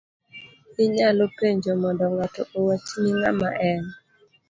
Inyalo penjo mondo ngato owachni ng'ama en;